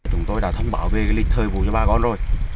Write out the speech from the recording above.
chúng tôi đã thông báo về lịch thời vụ cho bà con rồi